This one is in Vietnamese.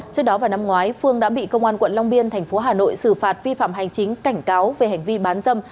trước đó vào năm ngoái phương đã bị công an quận long biên thành phố hà nội xử phạt vi phạm hành chính cảnh cáo về hành vi bán dâm